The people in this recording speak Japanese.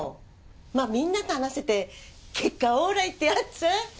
まぁみんなと話せて結果オーライってやつ？